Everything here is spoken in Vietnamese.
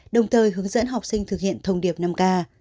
đồng thời hướng dẫn học sinh thực hiện đồng nghiệp năm k